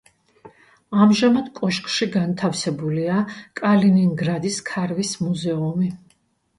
ამჟამად კოშკში განთავსებულია კალინინგრადის ქარვის მუზეუმი.